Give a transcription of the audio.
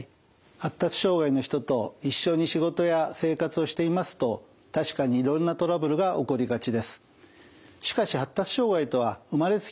発達障害の人と一緒に仕事や生活をしていますと確かにいろんなトラブルが起こりがちです。